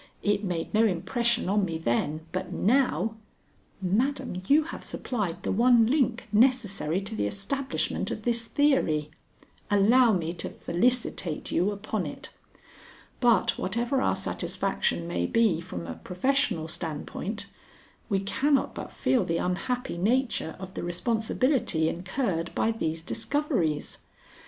It made no impression on me then, but now " "Madam, you have supplied the one link necessary to the establishment of this theory. Allow me to felicitate you upon it. But whatever our satisfaction may be from a professional standpoint, we cannot but feel the unhappy nature of the responsibility incurred by these discoveries.